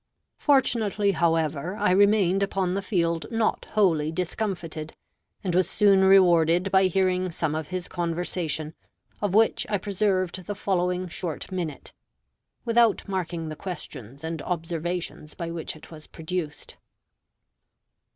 Fortunately, however, I remained upon the field not wholly discomfited; and was soon rewarded by hearing some of his conversation, of which I preserved the following short minute, without marking the questions and observations by which it was produced.